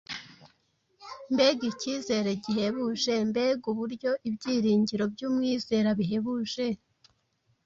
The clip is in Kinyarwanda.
Mbega icyizere gihebuje! Mbega uburyo ibyiringiro by’umwizera bihebuje